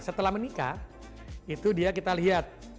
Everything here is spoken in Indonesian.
setelah menikah itu dia kita lihat